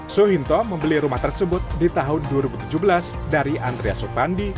suhinto membeli rumah tersebut di tahun dua ribu tujuh belas dari andrea sopandi